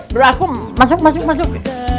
bro aku masuk masuk masuk